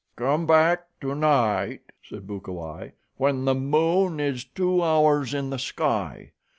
"Come back tonight," said Bukawai, "when the moon is two hours in the sky.